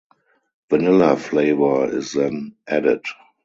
Vanilla flavor is then added.